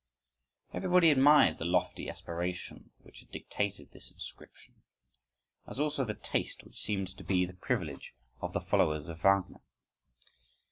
Everybody admired the lofty inspiration which had dictated this inscription, as also the taste which seemed to be the privilege of the followers of Wagner.